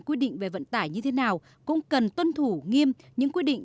quy định về vận tải như thế nào cũng cần tuân thủ nghiêm những quy định